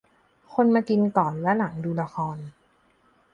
คนมากินก่อนและหลังดูละคร